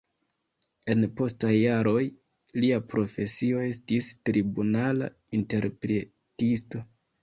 En postaj jaroj lia profesio estis tribunala interpretisto.